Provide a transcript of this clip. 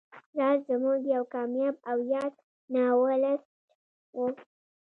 راز زموږ یو کامیاب او یاد ناولسټ و